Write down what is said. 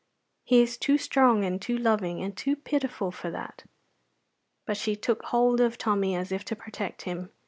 He is too strong, and too loving, and too pitiful for that." But she took hold of Tommy as if to protect him.